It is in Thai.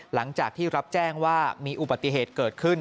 หลังจากที่รับแจ้งว่ามีอุบัติเหตุเกิดขึ้น